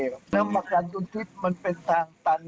แล้วมากันจนทริปมันเป็นทางตัน